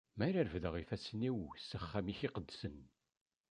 Mi ara refdeɣ ifassen-iw s axxam-ik iqedsen.